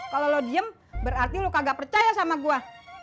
kalau lo diem berarti lo kagak percaya sama gua